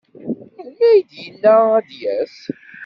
Melmi ay d-yenna ad d-yas?